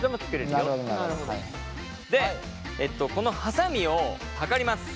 でこのハサミを測ります。